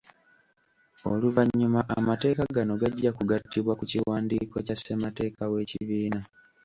Oluvannyuma amateeka gano gajja kugattibwa ku kiwandiiko kya ssemateeka w’ekibiina.